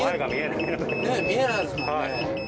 見えないですもんね。